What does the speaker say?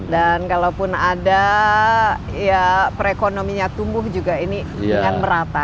dan kalaupun ada perekonominya tumbuh juga ini dengan merata